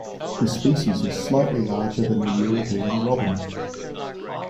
This species is slightly larger than the European robin.